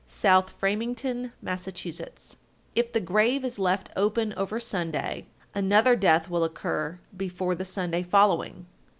South Framingham, Mass. 1262. If the grave is left open over Sunday, another death will occur before the Sunday following.